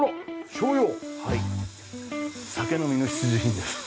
酒飲みの必需品です。